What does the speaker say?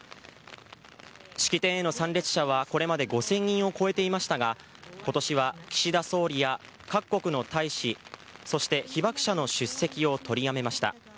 式典への参列者はこれまで５０００人を超えていましたが今年は岸田総理や各国の大使そして被爆者の出席を取りやめました。